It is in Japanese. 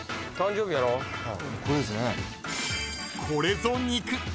これぞ肉。